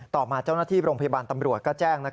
ต่อมาเจ้าหน้าที่โรงพยาบาลตำรวจก็แจ้ง